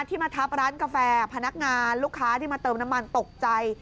ที่มาทับร้านกาแฟพนักงานลูกค้าที่มาเติมน้ำมันตกใจ